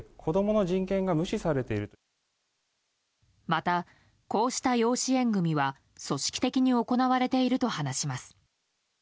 また、こうした養子縁組は組織的に行われていると話します。